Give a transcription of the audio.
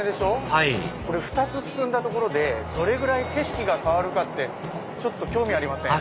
はい２つ進んだところでどれぐらい景色が変わるかってちょっと興味ありません？